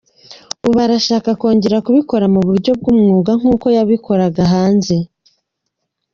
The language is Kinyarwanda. Ubu arashaka kongera kubikora mu buryo bw’umwuga nk’uko yabikoraga hanze.”